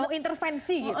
mau intervensi gitu